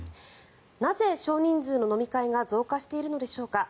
なぜ少人数の飲み会が増加しているのでしょうか。